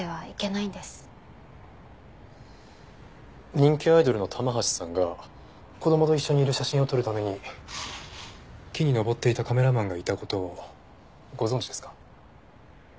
人気アイドルの玉橋さんが子供と一緒にいる写真を撮るために木に登っていたカメラマンがいた事をご存じですか？